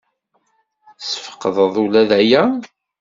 Tesfeqdeḍ ula d aya?